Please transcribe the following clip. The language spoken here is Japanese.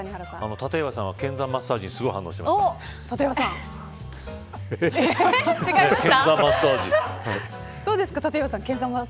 立岩さんは剣山マッサージにすごい反応違いましたか。